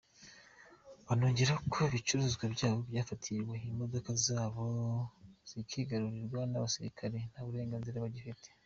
Banongeraho ko ibicuruzwa byabo byatwawe, imodoka zabo zikigarurirwa n’abasirikare nta burenganzira babifitiye.